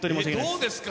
どうですか？